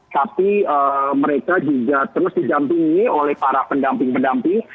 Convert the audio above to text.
tapi mereka juga terus didampingi oleh para pendamping pendamping